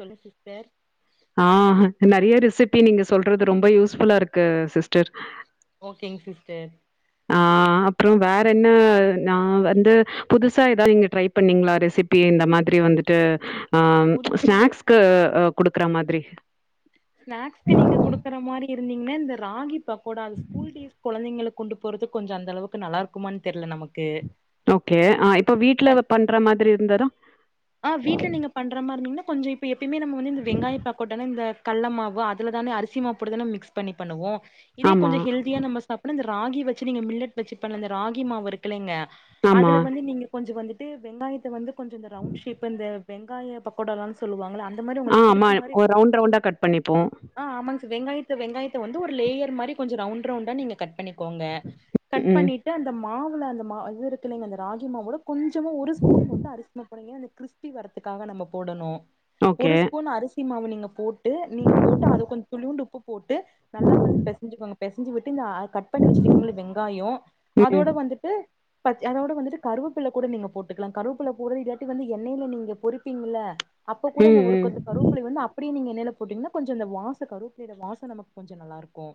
சொல்லுங்க சிஸ்டர் ஆஹ் நெறைய சிப்பி நீங்க சொல்றது ரொம்ப யூஸ்ஃபுல்லா இருக்கு சிஸ்டர் ஓகேங்க சிஸ்டர் ஆஹ் அப்பறோ வேற என்ன நான் வந்து புதுசா ஏதாவது நீங்க ட்ரை பண்ணீங்களா ரெசிபி இந்த மாதிரி வந்துட்டு ஹாம் புதுசா ஸ்நாக்ஸ்க்கு குடுக்குற மாதிரி ஸ்னாக்ஸ்க்கு நீங்க குடுக்குற மாரி இருந்திங் இந்த ராகிப் த்த ஸ்கூ டீஸ் குழந்தைங்களுக்கு கொண்டு போறது கொஞ்சோ அந்த அளவுக்கு நல்லாயிருக்குமான்னு தெரியில நமக்கு ஓகே ஆ இப்ப வீட்டுல பட் பண்ற மாதிரி இருந்த ஆ வீடல நீங்க பண்றமாரி இருந்தங்கன்னா கொஞ்சம்ப்ப எப்பயமே நம்மந்து இந்த வெங்காயம் பக்கோட்டானே இந்த கட்ல மாவு அதில தானே அரிசி மாவுடு தான மிக்ஸ் பண்ணி பண்ணுவோம் இதே ஆமா, கொஞ்சோ ஹல்தியா நம்ம சாப்பிட ராகி வச்சு நீங்க மில்லட் வச்சு பண்ணுங்க இந்த ராகி மாவு இருக்குளங்க ஆமா. அதுல வந்து நீங்க கொஞ்சோ வந்து போட்டு வெங்காயத்த வந்து கொஞ்சோ இந்த ரவுண்டு ஷேப் வெங்காய பக்கோடானுல்லா சொல்லுவாங்கள அந்த மாரி ஆஹ் உங்களுக்கு ஆமா புடிச்ச மாரி ஓ ரவுண்ட் ரவுண்டா கட் பண்ணிப்போ ஆ ஆமாங்க சார் வெங்காயத்த வெங்காயத்த வந்து ஒரு லேயர் மாரி கொஞ்ச ரவுண்ட் ரவுண்டா நீங்க கட் பண்ணிக்கோங்க கட் ம். பண்ணிட்டு அந்த மாவுல அந்த மா இது இருக்கிளைங்க அந்த ராகி மாவோட கொஞ்சமா ஒரு ஸ்பூன் மட்டும் அரிசி மாவு போட்டிக்கானா அந்த கிறிஸ்பி வரதுக்காக நம்ம போடணு ஒரு ஓகே. ஸ்பூன் அரிசி மாவு நீங் போட்டு நீங்க போட்டு அது கொஞ்சோ துளியுண்டு உப் போட்டு நல்லா வந்து பேசஞ்சுக்கோங்க பேசஞ்சு விட் இந்த கட் பண்ணி வச்சிருக்கீங்கள வெங்காயோ ம். அதோட வந்துட்டு அதோட வந்துட்டு கருவப் கூட நீங்க போட்டுக்கலா கருவபுல போறது இல்லாட்டி வந் எண்ணெய்லா நீங்க பொரிப்பீங்கள அப்ப கூட இந்த ம், ஒரு ம். கொத்து கருவபில்லே வந்து அப்டி அப்படி நீங்க எண்ணெய்லா போட்டீங்கன்னா கொஞ்சம் வாசம் கருவாப்பலலை ஓட வாசம் நமக்கு கொஞ்சம் நல்லாருக்கும்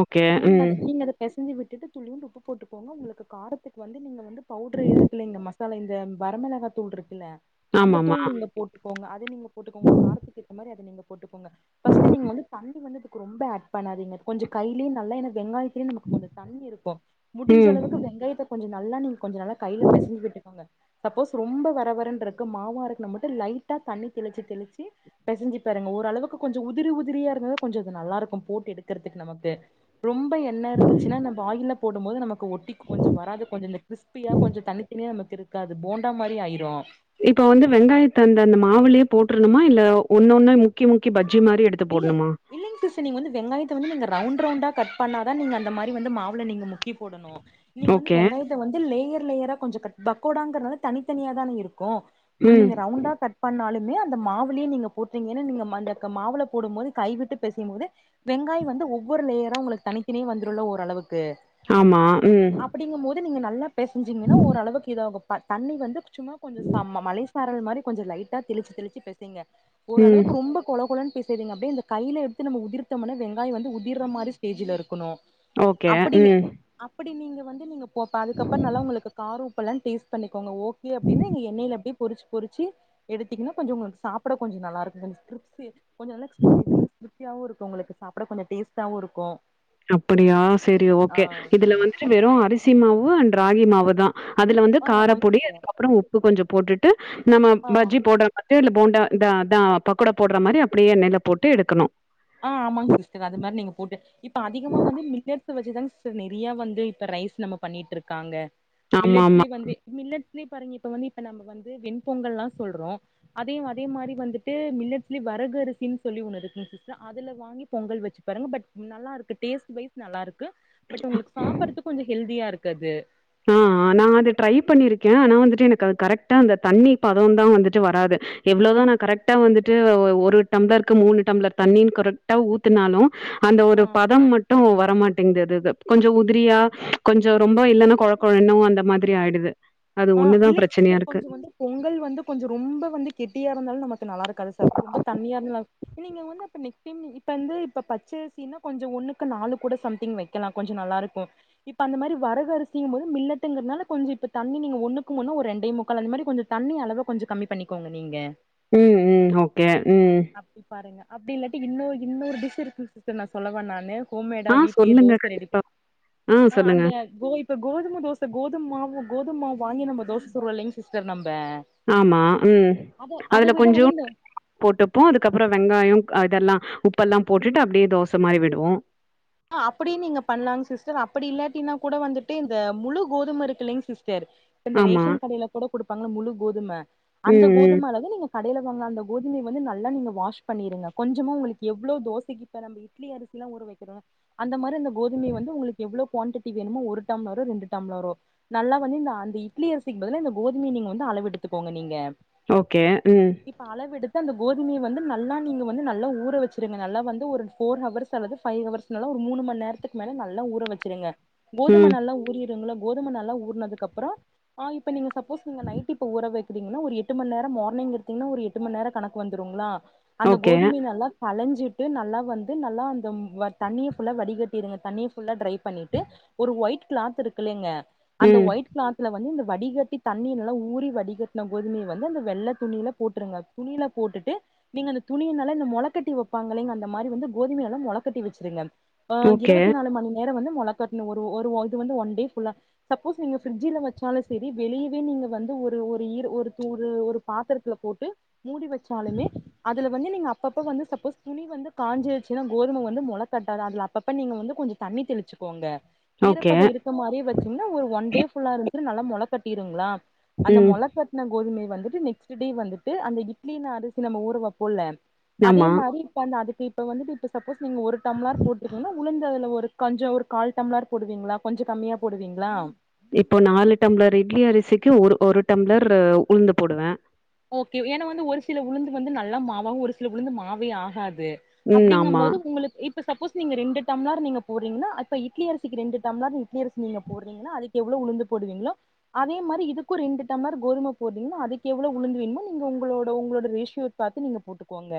ஓகே. நீங்க அத ம். நீங்க அத பேசஞ்சு விட் துளியுண்டு உப்பு போட்டுக்கோங்க உங்களுக்கு காரத்துக்கு வந்து நீங்க வந்து பவுடர் இருக்கில்லைங்மா ல இந்த வர மேலாக தூள் இருக்குல்ல அந்த ஆமாமா. தூள் நீங்க போட்டுக்கோங்க அது நீங்க போட்டுக்கோங்க காரத்துக்கு எத மாரி அது நீங்க போட்டுக்கோங்க ஃபர்ஸ்ட் நீங்க வந்து தண்ணி வந்து ரொம்ப அட் பண்ணாதீங்க கொஞ்சம் கையிலயே நல்லா வெங்காயத்த நமக்கு கொஞ்சம் தண்ணி இருக்கும் முடிஞ்ச அளவுக்கு ம். வெங்காயத்த கொஞ்சம் நல்லா நீங்க கொஞ்ச நல்ல கையில பேசஞ்சு விட்டுக்கோங்க சப்போஸ் ரொம்ப வர வரனு இருந் மாவா இருக்கு ந மட்டும் லைட்டா தண்ணி தெளிச்சு தெளிச்சு பேசஞ்சு பாருங்க ஓரளவுக்கு கொஞ்சம் உதிரி உதிரியா இருந்தத கொஞ்சம் அது நல்லாருக்கும் போட்டு எடுக்கறதுக்கு நமக்கு ரொம்ப எண்ண இருந்துச்சுன்னா நம் வாயில போடும் போது நமக் ஒட்டிக்கு கொஞ்சம் வராது கொஞ்சம் கிறிஸ்பியா கொஞ்சம் தனித்தனியா நமக்கு இருக்காது போண்டா மாரி ஆயிரும் இப்ப வந்து வெங்காயத்து அந்த அந் மாவுலையே போட்டரணுமா இல்ல ஒன்னு ஒண்ணா இல்ல இல்லைங் சிஸ் நீங்க வந்து வெங்காயத வந்து ரவுண்ட் ரவுண்டா கட் பண்ணாதா நீங்க அந்த மாரி வந்து மாவுல நீங்க முக்கி போடணு நீங்க வந்து ஓகே. வெங்காயத்தை வந்து லேயர் லேயர கொஞ்ச கட் ட பகோடாங்றனால தனித்தனியா தானே இருக் கொ ம். [unintelligible] ரவுண்டா கட் பண்ணாலும் நெ அந்த மாவுலியே நீங்க போட்டீங்கன்னு நீங்க மந்த க மாவுல போடும்பது கைவிட்டு பேசயும் போது வெங்காய் வந்து ஒவ்வொரு லெயர உங்களுக் தனித்தனியா வந்துருல ஓர்அளவுக் ப்பே ஆமா. ம். அப்டிங்கும் போது நீங்க நல்லா பேசஞ்சீங்கன்னா ஓரளவுக்கு இத ஆகும். ப தண்ணி வந்து சும்மா கொஞ்ச சம மழே சாரல் மாரி கொஞ்ச லைட்டா தெளிச்சு தெளிச்சு பேசீங்க ம். ஓரளவுக்கு ரொம்ப கொழ கொழன் பேசைரிங்க அப்டியே கைய எடுத்து நம உதிர்த்தமானே வெங்காய வந்து உதிர மாரி ஸ்டேஜில இருக்கணு ஓகே ம் அப்டி நீங்க வந்து நீங்க போ ப அதுக்கப்புற நால்ல உங்களுக்கு காரு உப்பலா டேஸ்ட் பண்ணி கொங்க ஓகே அப்டின நீங்க எண்ணயில அப்டி பொறிச்சு பொறிச்ச எடுத்தீங்கன்னா கொஞ்சம் உங்களுக்கு சாப்ட கொஞ்சம் நல்லாருக்கும் [unintelligible] [unintelligible] கொஞ்சலா [unintelligible] ருத்தியவும் இருக்கும் உங்களுக்கு சாப்ட கொஞ்சம் டேஸ்ட்டாவு இருக்கும் அப்படியா செரி ஓகே இதுல வந்துட்டு வெறும் அரிசிமாவும் ஒ அண்ட் ராகி மாவு தான் அதுல வந்து ஆ ஆமாங்க காரப்பொடி சிஸ்டர் அதுக்கு அப்புறம் உப்பு கொஞ்சம் போட்டுட்டு நம்ம ஆ பஜ்ஜி போடன் [unintelligible] போண்டா இத அதா பக்கோடா போட்ற மாரி அப்டியே என்னைல போட்டு எடுக்கணு ஆ ஆமாங் சிஸ்டர் அது மாரி நீங்க போட்டு இப் இப்போ அதிகமாக வந்து [unintelligible] வச்சுதான் நெறையா வந்து இப்ப ரைஸ் நம்ம பண்ணிட்டு ரிக்காங்க ஆமாமா. மில்லட்ஸ்ல வந்து மில்லட் [unintelligible] இப்ப வந்து இப்ப நம்ம வந்து வெண்பொங்கல்லா சொல்றோம் அதே அதே மாரி வந்துட்டு மில்லட்ஸ்ல வரகரிசின்னு சொல்லி ஒண்ணு இருக்ங் சீஸ் அதுல வாங்கி பொங்கல் வச்சு பாருங்க பட் நல்லா இருக்கு டேஸ்ட் வைஸ் நல்லா இருக்கு க்கு பட் உங்களுக்கு சாப்றதுக்கு கொஞ்ச ஹெல்தியா இருக்கு அது ஆ அ நான் அது ட்ரை பண்ணியிருக்கேன் ஆனா வந்துட்டு எனக்கு அது கரெக்டா அந்த தண்ணி பதம தான் வந்துட்டு வராது எவ்ளோ தா நா ஆமா கரெக்டா வந்து த்தூ ஒரு டம்ளருக்கு மூணு டம்ளர் தண்ணீனு கரெக்ட்டா ஊத்துனாலு அந்த ஒரு ஆ பதம் மட்டூ வ வர மாட்டேங்குது து து கொஞ்சோ உதிரியா கொஞ்சோ ரொம்ப இல்லன்னா கொழ குழனு அந்த மாதிரி ஆயிடுது அது ஆ ஒண்ணு தான் இல்லங்க பிரச்சனையா சிஸ்டர் இருக்கு. கொஞ்சோ வந்து பொங்கல் வந்து கொஞ்சோ ரொம்ப வந்து கெட்டியா இருந்தாலு நம்ம நல்லா இருக்காது சாப்ட ரொம்ப தண்ணியா இருந் நீங்க வந்து அப்பெ நெக்ஸ் டைம் இப்ப ந்து இப்ப பச்சரிசின்னா கொஞ்சோ ஒண்ணுக்கு நாலு கூட சம்திங் வக்கெலா கொஞ்சோ நல்லாருக்கு இப்ப அந்த மாரி வரக அரிசங்க போது மில்லட்டுங்கிறனால கொஞ்சோ இப்ப தண்ணி நீங்க ஒன்னுக்கு ஒன்னு ஒரு ரெண்டே முக்காள் அந்த மாரி கொஞ்சோ தண்ணி அளவக கொஞ்சோ கம்மி பண்ணிக்கோங்க நீங்க ம் ம் ஓகே ம் அப்டியில்லட்டீ இன்னொரு இன்னொரு டிஷ் இருக்கு சிஸ்டர் நா சொல்லவ நானு ஹோமேடா ஆ வீட்லேயே சொல்லுங்க தோச ரெடி கண்டிப்பா. ஆ அந்த கோ இப்ப கோதும தோசை கோதுமமாவு கோதும்மாவு வாங்கி நம்ம தோசை சுட்றோ இல்லிங்க சிஸ்டர் நம் ஆமா ம் அத அதுல விட கொஞ்சோ வந்து போட்டுப்போ அதுக்கப்புறோ வெங்காயோ இதெல்லாம் உப்பெல்லா போட்டுட்டு அப்டியே தோச மாரி விடுவோ கின்னா கூட வந்துட்டு இந்த முழு கோதும இருக்குலிங் சிஸ் கேரு இப்ப இந்த ஆமா. ரேஷன் கடையில கூட கொடுப்பாங்கள முழு கோதும அந்த ம், ம். கோதும அளவு நீங்க கடைல வாங்ன அந்த கோதுமை வந்து நல்லா நீங்கள் வாஷ் பண்ணீடுங்க கொஞ்சமா உங்களுக்கு எவ்ளோ தோசைக்கு [unintelligible] இட்லி அரிசிலா ஊர வக்கிறோ அந்த மாரி இந்த கோதுமை வந்து உங்களுக்கு எவ்வளோ குவண்டிட்டி வேணுமோ ஒரு டம்ளரோ ரெண்டு டம்ளரோ நல்லா வந்து இந்த அந்த இட்லி அரிசிக்கு பதில இந்த கோதுமைைய நீங்க வந்து அளவு எடுத்துக்கோங்க நீங்க ஓகே ம் இப்ப அளவெடுத்து அந்த கோதுமைய வந்து நல்லா நீங்க வந்து நல்ல ஊர வச்சிருங்க நல்லா வந்து ஒரு ஃபோர்ஹவர்ஸ் அல்லது ஃபைவ் ஹவர்ஸ் நல்லா ஒரு மூணு மணி நேரத்துக்கு மேல நல்ல ஊற வச்சிருங்க கோதும ம். நல்லா ஊறிரூங்களா கோதும நல்லா ஊறனதுக்கு அப்புறம் ஆ இப்ப நீங்க சப்போஸ் நீங்க நைட் இப்ப ஊற வைக்கறீங்கன்னா ஒரு எட்டு மணி நேரம் மார்னிங் எடுத்தீங்கன்னா ஒரு எட்டு மணி நேரம் கணக்கு வந்துடுங்களா அந்த ஓகே. கோதுமைய நல்லா கழஞ்சி ட்டு நல்லா வந்து நல்லா அந்த வர் தண்ணிய ஃபுல்லா வடிகட்டிடுங்க தண்ணியஃபுல்லா டிரை பண்ணீட்டு ஒரு ஒயிட் கிளாத்து ருக்கில்லீங்க அந்த ம். ஒயிட் கிளாத்ல வந்து இந்த வடிகட்டி தண்ணிய நல்லா ஊரி வடிக்கெட்ன கோதுமய வந்து அந்த வெள்ள துணீல போட்ருங்க துணீல போட்டுட்டு நீங்க அந்த துணிய நல்லா இந்த மொளக்கட்டி வப்பாங்கில்லீங்க அந்த மாரி வந்து கோதுமைய நல்லா மொளக்கட்டி வச் சிருங்க ஆ ஓகே, இருபத்தி நாலு மணி நேரம் வந்து முளைகட்டணு ஒரு ஒரு இது வந்து ஒன் டே ஃபுல்லா சப்போஸ் நீங்க பிரிட்ஜில வச்சாலூம் செரி வெளியவே நீங்க வந்து ஒரு ஒரு ஒரு ஒரு ஒரு பாத்திரத்துல போட்டு மூடி வச்சாலுமே அதுல வந்து நீங்க அப்பப்ப வந்து சப்போஸ் துணி வந்து காஞ்சிருச்சுன்னா கோதுமை வந்து மொள கட்டாது அப்ப அப்ப நீங்க வந்து கொஞ்ச தண்ணி தெளிச்சுக்கோங்க ஓகே. ஈரப்பதம் இருக்க மாதிரியே வச்சிங்கன்னா ஒரு ஒன் டே ஃபுல்லா இருக் நல்லா முள கட்டிருங்களா அந்த ம். மொளகட்டுன கோதுமைய வந்துட்டு நெக்ஸ்ட் டே வந்துட்டு அந்த இட்லின அரிசி நம்ப ஊற வப்போல்ல அதே ஆமா. மாரி இப்ப அந்த அதுக் இப்ப வந்துட்டு இப்ப சப்போஸ் நீங்க ஒரு டம்ளார் போட்ருக்கீங்கன்னா உளுந்து அதுல ஒரு கஞ்சோ ஒரு கால் டம்ளார் போடுவீங்ளா கொஞ்சோ கம்மியா போடுவீங்ளா இப்போ நாலு டம்ளர் இட்லி அரிசிக்கு ஒரு ஒரு டம்ளர்ரு உளுந்து போடுவ ஓகே ஏன்னா வந்து ஒரு சில உளுந்து வந்து நல்லா மாவாவு ஒரு சில உளுந்து மாவே ஆகாது ம், அப்டிங்க ஆமா. போது உங்குளுக்கு இப் இப்ப சப்போஸ் நீங்க ரெண்டு டம்ளர் நீங்க போட்றீங்கன்னா அப்ப இட்லி அரிசிக்கு ரெண்டு டம்ளர் இட்லியரிசி நீங்க போட்றீங்கனா அதுக்கு எவ்ளோ உளுந்து போடுவீங்களோ அதே மாரி இதுக்கூ ரெண்டு டம்மர் கோதும போட்றீகன்னா அதுக்கு எவ் வ்ளோ உளுந்து வேணுமோ நீங்க உங்களோட உங்களோட ரேஷியோ பாத்து நீங்க போட்டுக்கோங்க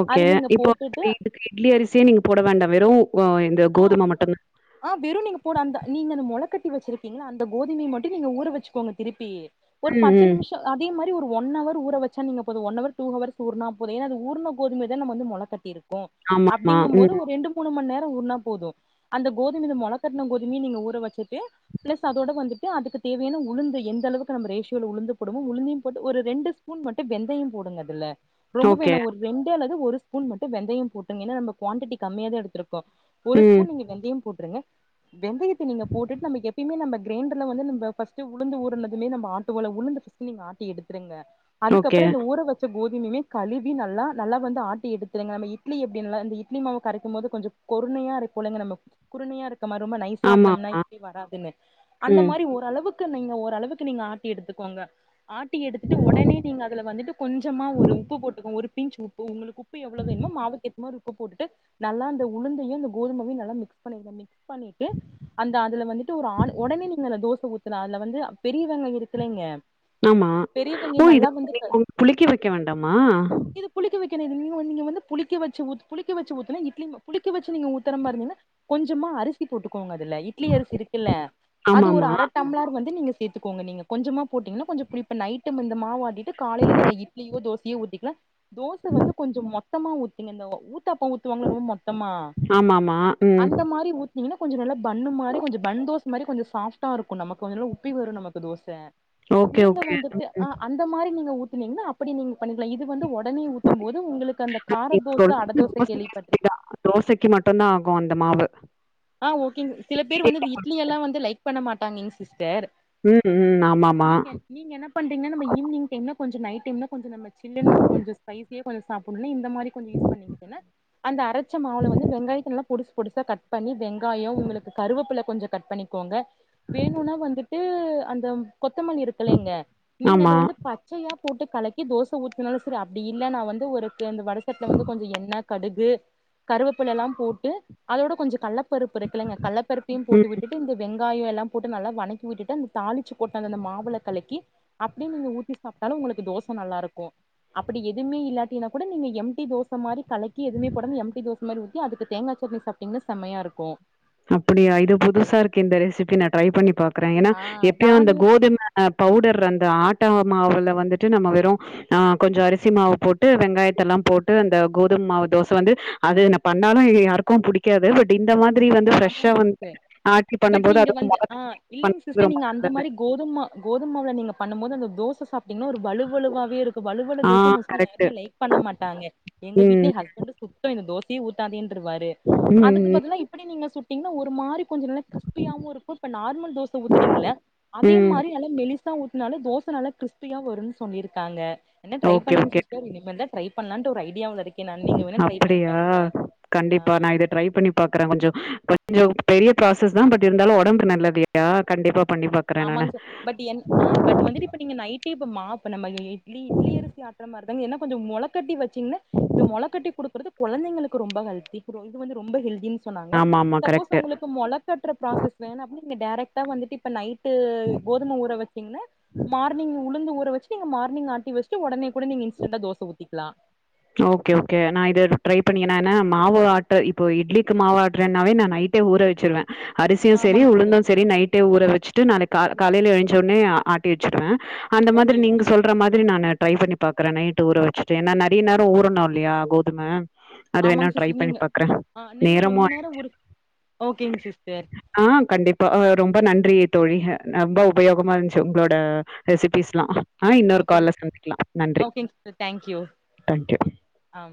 ஓகே அது நீங்க இப்போ போட்டுட்டு [unintelligible] இதுக்கு இட்லி அரிசியே நீங்க போட வேண்டா வெறூ அ இந்த ஆ கோதுமை மட்டும் தான். ஆ வெறூ நீங்க போடு அந்த நீங்க அந்த மொளக்கட் டி வச்சிருக்கீங்கள அந்த கோதுமைய மட்டூ நீங்க ஊற வெச்சுக்கோங்க திருப்பி ஒரு ம், பத்து ம். நிமிஷோ அதே மா தி ஒரு ஒன் அவர் ஊர வச்சா நீங்க போது ஒன் அவர் டூ அவர்ஸ் ஊருணா போது ஏன்னா அது ஊருண்ண கோதுமதா நாம வந்து மொளக்கட்டிருக் க்கு ஆமாமா. அப்படிங்கம் போது ம். ஒரு ரெண்டு மூணு மண் நேரொ ப்ப ஊறுணா போது அந்த கோதுமைைல மொளக்கட்டுன கோதுமை நீங்க ஊற வச்சிட்டு பிளஸ் அதோட வந்துட்டு அதுக்கு தேவையான உளுந்து எந்த அளவுக்கு நம்ம ரேஷியோல உளுந்து போடுமோ உளுந்தயு போட்டு ஒரு ரெண்டு ஸ்பூன் மட்டும் வெந்தயம் போடுங்க அதுல ரொம்ப ஓகே. வேணா ஒரு ரெண்டே அள ந்து ஒரு ஸ்பூன் மட்டு வெந்தயம் போட்டீங்க ஏனா நம்ம குவாண்ட்டிட்டி கம்மியாதா எடுத்துருக்கோ ஒரு ம். ஸ்பூன் நீங்க வெந்தயம் போட்டுருங்க வெந்தயத்த நீங்க போட்டுட்டு நமக்கு எப்பயுமே நம்ம கிரைண்டர்ல வந்து நம்ம ஃபஸ்டு உளுந்து ஊறுனதுமே நம்ம ஆட்டுவோல உழுந்து ஃபஸ்டு நீங்க ஆட்டி எடுத்துருங்க ஓகே. அதுக்கப்பறொ இந்த ஊற வச்ச கோதுமைமே கழுவி நல்லா நல்லா வந்து ஆட்டி எடுத்துடுங்க நம்ம இட்லி எப்படிலின்ல இட்லி மாவு கரைக்கும் போது கொஞ்சொ கோது குருனையா இருக்குலைங்க நம்ம குறுனையா இருக்கு நம்ம ரொம்ப நைசா ஆட்டுனம்னா ஆமாமா. இட்லி வராதுல்ல அந்த ம். மாரி ஓரளவுக் க்கு நீங்க ஓரளவுக்கு நீங்க ஆட்டி எடுத்துக்கோங்க ஆட்டி எடுத்துட்டு ஒடனே நீங்க அதுல வந்துட்டு கொஞ்சமா ஒரு உப்பு போட்டுக்கோங் ஒரு பிஞ்ச் உப்பு உங்களுக்கு உப் ப்பு எவ்ளோ வேணுமோ மாவுக்கேத் சுமார் உப்பு போட்டுட்டு நல்லா அந்த உளுந்து தையு கோதுமவையு நல்லா மிக்ஸ் பண்ணிர்ங்க மிக்ஸ் பண்ணிட்டு அந்த அதுல வந்துட்டு ஒரு ஆலு உடனே நீங்க தோசை ஊத்தலா அதுல வந்து பெரியவெங்காயொ இருக்குல்லலைங்க ஆமா ஓ இத நீக்கு புளிக்க வைக்க வேண்டாமா க்க நீது நீங்க வந்து புளிக்க வச்சு ஊத்து புளிக்க வச்சு ஊத்துனா இட்லி மா புளி க்க வச்சு நீங்க ஊத்தர மாறிருந்தினா கொஞ்சமா அரிசி போட்டுக் கோங்க அதுல இட்லி அரிசி இருக்குல்ல அது ஒரு ஆமாமா, அர டம்ளார் வந்து நீங்க சேத்துக்கோங்க நீங்க கொஞ்சமா போட்டீங்கனா கொஞ்ச புளிப்பு நைட்டு மிந்த மாவாட்டிட்டு காலையில நீங்க இட்லியோ தோசையோ ஊத்திக்கலா தோச வந்து கொஞ்சம் மொத் த்தமா ஊத்துங்க இந்த ஊ ஊத்தாப்பொ ஊத்துவாங்கல ரொம் ஆமாமா ம் னிங்கன்னா கொஞ்சொ நல்லா பண்ணு மாரி கொஞ்சொ பன் தோச மாரி கொஞ்சம் சாஃப்ட்டா இருக்கு நமக்கு கொஞ்சொன நல்ல உப்பி வரும் நமக்கு தோச ஓகே, நீங்க வந்துட்டு ஓகே. அ அந்த மாரி நீங்க ஊத் னீங்ன்னா அப்படி நீங்க பண்ணிக்கலா இது வந்து ஒட ஒடனே ஊத்தும் போது உங்களுக்கு அந்த நீங்க காரதோச சொல்றது அடதோச யோசனையா கேள்விப்பட்டிருக்கு சரிதான். தோசைக்கு மட்டுந்தா ஆகு அந்த மாவு ஆ ஓகேங் [inaudible] மாட்டாங்க எங் சிஸ்டர் ம் ம் ஆமாமா நீங்க நீங்க என்ன பண்றீங்கன்னா நம்ம ஈவினிங்க்கு என்ன கொஞ்ச நைட் டைம் னா கொஞ்ச நம்ம சில்லுனு கொஞ்சம் ஸ்பைசியா கொஞ்சம் சாப்புட்னு இந்த மாதிரி கொஞ்ச யூஸ் பண்ணிக்கிட்டினா அந்த புள்ச்சா மாவு வந்து வெங்காயத நல்லா பொடுசு பொடுசா கட் பண்ணி வெங்காயம் உங்களுக்கு கருவேப்பில கொஞ்சம் கட் பண்ணிக்கோங்க வேணும்னா வந்துட்டு அந்த கொத்தமலி இருக்குல்லங்க நீங்க ஆமா அது வந்து பச்சையா போட்டு கலக்கி தோசை ஊத்துதுனாலும் சரி அப்டி இல்லனா வந்து ஒருக்கு அந்த வடசட்டில வந்து கொஞ்ச எண்ண கடுகு கருவேப்புல எல்லாம் போட்டு அதோட கொஞ்சம் கல்ல ல்ல பருப்பு இருக்கலங்க கல்லப்பருப்பையும் போட்டு ம் விட்டு இந்த வெங்க வெங்காயம் எல்லாம் போட்டு நல்லா வணக்கி விட்டுட்டு அந்த தாளிச்சு போட்டத அந்த மாவுல கலக்கி அப்டியே நீங்க ஊத்தி சாப்ட்டாலும் உங்களுக்கு தோசை நல்லா இருக்கு அப்டி எதுவுமே இல்லாடினா கூட நீங்க எம்டி தோசை மாரி கலக்கி எதுவுமே போடாம லி தோச மாரி ஊத்தி அதுக்கு தேங்காய் சட்னி சாப்பிட்டீங்கன்னா செமையா இருக்கும் அப்படியா இது புதுசா இருக்கு இந்த ரெசிபி நான் ட்ரை பண்ணி பாப் க்றேன் ஏன்னா ஆ எப்பயோ அந்த நானு கோதுமை பவுடர் அந்த ஆட் மாவுல வந்துட்டு நம்ம வெறும் ஆ கொஞ்சம் அரிசி மாவு போட்டு வெங்காயத்த எல்லாம் போட்டு அந்த கோதுமை மாவு தோசை வந்து அது பண்ணாலும் யாருக்கு புடிக்காது பட் இந்த மாதிரி வந்து ஆமாங்க ஃப்ரெஷ்ஷா வந்து சிஸ்டர் ஆட்டி பண்ணும் பட் போது நீங்க அதுக்கு வந்து மொள ஆஹ் இல்லைங்க பண்றது சிஸ்டர் ரொம்ப நீங்க அந்த நல்லது மாதிரி கோதும கோதுமாவுல நீங்க பண்ணும் போது அந்த தோசை சாப்பிட்டீங்கன்னா ஒருவலுவலுவாவே இருக்கு வலுவல ஆ தோசை மோஸ்ட்லி கரெக்ட்டு யாருமே லைக் பண்ண மாட்டாங்க எங்க ம் வீட்டல ஹஸ்பண்ட் சுத்தம் இந்த தோசை [unintelligible] வருவாரு ம் அதுக்கு ம் பதிலா இப்ப நீங்க சுட்டீங்கன்னா ஒரு மாறி கொஞ்சம் நல்லா கிரிஸ்பியா இருக்கும் இப்ப நார்மல் தோசை ஊத்துறீங்க இல்ல அதே ம். மாதிரி நல்லா மெலிசா ஊத்த நாளும் தோசை நல்லா கிரிஸ்பியா வரும்னு சொல்லி இருக்காங்க வேணும்னா ட்ரை ஓகே ஓகே பண்ணுங்க சிஸ்டர் இனிமேல் தான் ட்ரை பண்ணலான்ட் ஒரு ஐடியாவுல இருக் அப்படியா ஆ கண்டிப்பா நான் இதை ட்ரை பண்ணி பாக்குறேன் கொஞ்சம் கொஞ்ச பெரிய ப்ராசஸ் தான் பட் இருந்தாலும் உடம்புக்கு நல்லது இல்லையா கண்டிப்பா பண்ணி பாக்குறே நானு ஆமாங்க சிஸ் பட் என் பட் வந்துட்டு இப்ப நீங்க நைட்டே இப்ப மாவு நம்ம இட்லி இட்லி அரிசி ஆட்ற மாதிரி தான் என்ன கொஞ்சம் முளை கட்டி வச்சிங்னா இந்த முளைகட்டி குடுக்றது கொழந்தைங்களுக்கு ரொம்ப ஹெல்த்தி இது வந்து ரொம்ப ஹெல்த்தி சொன்னாங்க ஆமா ஆமா சப்போஸ் கரெக்ட்டு உங்களுக்கு மொளை கட்ற ப்ராசஸ் வேணா அப்டினா டரக்ட் அத்தான் வந்துட்டு நைட் வந்து கோதுமை ஊற வச்சீங்கன்னா மார்னிங் உளுந்து ஊற வச்சு நீங்க மார்னிங் ஆட்டி வச்சுட்டு உடனே கூட நீங்க இன்ஸ்டென்ட்டா தோசை ஊத்திக்லாம் ஓகே ஓகே நான் இது ட்ரை பண்ணியனா என்னா மாவு ஆட்ட இப்போ இட்லிக்கு மாவு ஆட்றனாவே நான் நைட்டே ஊற வச்சிருவேன் அரிசியும் சரி ஆமாங்க சிஸ்டர் உளுந்தும் சரி நைட்டே ஊற வச்சுிட்டு நாளைக்கு கா காலைல எழுஞ்சவுடனே ஆட்டி வச்சிடுவேன் அந்த ஓகே மாதிரி நீங்க ஓகேங்க சொல்ற மாதிரி நான் ட்ரை பண்ணி பாக்குறேன் நைட் ஊற வைச்சுட்டு என்னன அப்டி நேரம் ஊறணும் இல்லையா கோதுமை அது வேணா ஆமாங்க ட்ரை சிஸ்டர் பண்ணி நீங்க பாக்குறேன் ஆ நீங்க நேரமும் ரொம்ப நேரோ ஆயிடுச்சு ஊற ஓகேங்க சிஸ்டர் அஹ் கண்டிப்பா ரொம்ப நன்றி றி தோழி நம்ப உபயோகமா இருந்ச்சு உங்களோட ரெசிப்பீஸ்லா ஆனா இன்னொரு ஓகேங் கால்ல சந்திக்லா நன்றி ஓகேங்க சிஸ்டர் தேங்க்யூ தேங்க்யூ ஆ